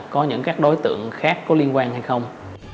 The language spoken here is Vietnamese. có những các đối tượng khác có liên quan hay không